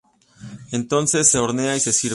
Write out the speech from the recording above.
Entonces se hornea y se sirve.